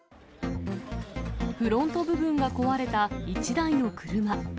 フロント部分が壊れた一台の車。